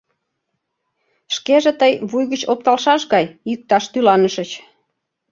Шкеже тый вуй гыч опталшаш гай йӱкташ тӱланышыч.